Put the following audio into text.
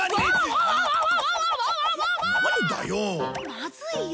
まずいよ。